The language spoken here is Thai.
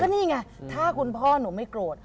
นี่ไงถ้าคุณพ่อหนูไม่โกรธ